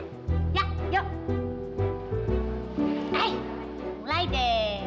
eh mulai deh